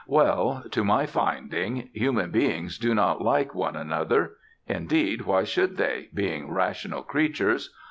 Well, to my finding human beings do not like one another. Indeed, why should they, being rational creatures?